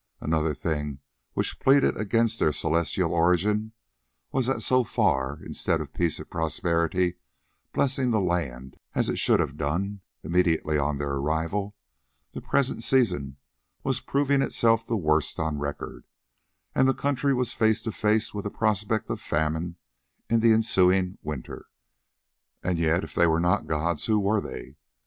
Another thing which pleaded against their celestial origin was that so far, instead of peace and prosperity blessing the land as it should have done immediately on their arrival, the present season was proving itself the worst on record, and the country was face to face with a prospect of famine in the ensuing winter. And yet, if they were not gods, who were they?